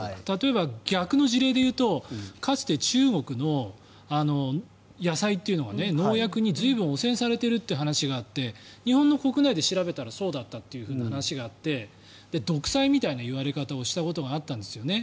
例えば逆の事例で言うとかつて中国の野菜っていうのが農薬にずいぶん汚染されているという話があって日本国内で調べたらそうだったという話があって独裁みたいな言われ方をしたことがあったんですよね。